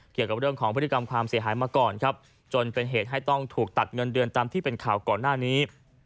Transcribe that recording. เกี่ยวกับเรื่องของพฤติกรรมความเสียหายมาก่อนครับจนเป็นเหตุให้ต้องถูกตัดเงินเดือนตามที่เป็นข่าวก่อนหน้านี้